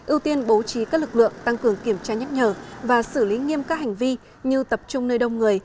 ưu tiên bố trí các lực lượng tăng cường kiểm tra nhắc nhở và xử lý nghiêm các hành vi như tập trung nơi đông người